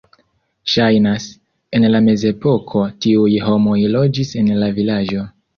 Ŝajnas, en la mezepoko tiuj homoj loĝis en la vilaĝo.